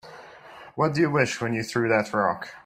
What'd you wish when you threw that rock?